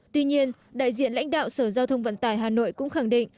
tuy nhiên đại diện lãnh đạo sở giao thông vận tải hà nội cũng khẳng định